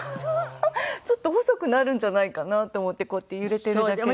ちょっと細くなるんじゃないかなって思ってこうやって揺れてるだけで。